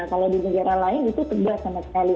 kalau di negara lain itu tegas sama sekali